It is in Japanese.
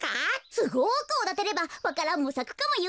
すごくおだてればわか蘭もさくかもよ。